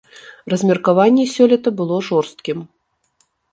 Размеркаванне сёлета было жорсткім.